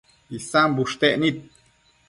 Isan bushtec nid